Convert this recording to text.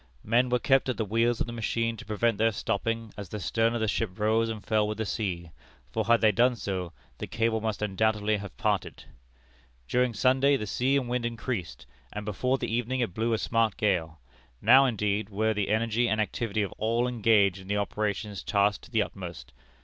Men were kept at the wheels of the machine to prevent their stopping as the stern of the ship rose and fell with the sea, for, had they done so, the cable must undoubtedly have parted. "During Sunday the sea and wind increased, and before the evening it blew a smart gale. Now, indeed, were the energy and activity of all engaged in the operation tasked to the utmost.